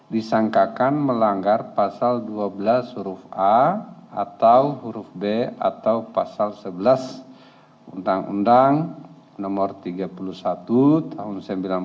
disangkakan melanggar pasal dua belas huruf a atau huruf b atau pasal sebelas undang undang no tiga puluh satu tahun seribu sembilan ratus sembilan puluh sembilan